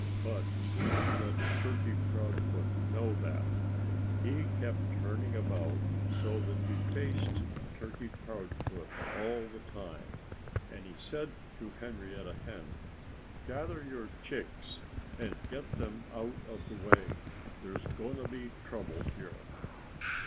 But he didn't let Turkey Proudfoot know that. He kept turning about, so that he faced Turkey Proudfoot all the time. And he said to Henrietta Hen: "Gather your chicks and get them out of the way. There's going to be trouble here."